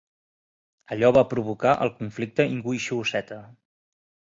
Allò va provocar el Conflicte ingúixio-osseta.